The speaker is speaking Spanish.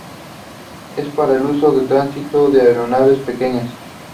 Es para el uso tránsito de aeronaves pequeñas.